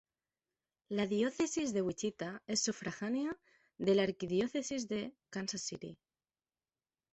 La Diócesis de Wichita es sufragánea de la Arquidiócesis de Kansas City.